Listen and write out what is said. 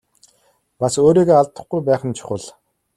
Бас өөрийгөө алдахгүй байх нь чухал.